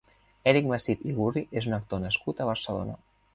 Eric Masip i Gurri és un actor nascut a Barcelona.